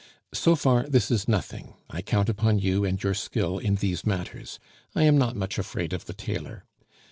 So far this is nothing; I count upon you and your skill in these matters; I am not much afraid of the tailor.